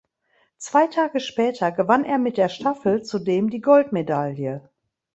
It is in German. Zwei Tage später gewann er mit der Staffel zudem die Goldmedaille.